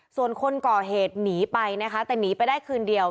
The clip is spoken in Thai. ส่วนคนก่อเหตุหนีไปนะคะแต่หนีไปได้คืนเดียว